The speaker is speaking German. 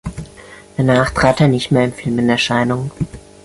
Danach trat er nicht mehr im Film in Erscheinung.